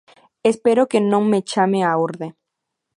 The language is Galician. Espero que non me chame á orde.